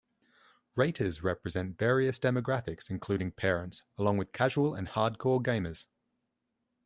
Raters represent various demographics, including parents, along with casual and "hardcore" gamers.